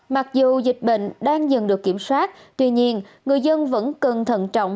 mặc dù dịch bệnh đang dần được kiểm soát tuy nhiên người dân vẫn cần thận trọng